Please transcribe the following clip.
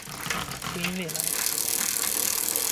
初音未来